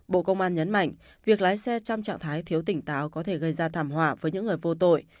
bộ công an nhấn mạnh việc lái xe trong trạng thái thiếu tỉnh táo có thể gây ra thảm họa với những người vô tội